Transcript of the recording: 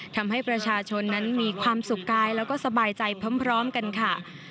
ทำให้ประชาชนนั้นมีความสุขกายแล้วก็สบายใจพร้อมกันค่ะ